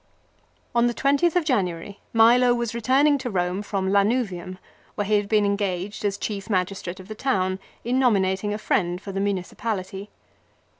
On the 20th of January Milo was returning to Kerne MILO. 69 from Lanuvium where he had been engaged as chief magis trate of the town, in nominating a friend for the muncipality.